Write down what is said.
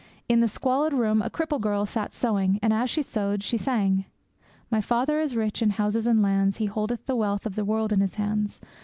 In the squalid room a cripple girl sat sewing, and as she sewed she sang: My Father is rich in houses and lands, He holdeth the wealth of the world in His hands!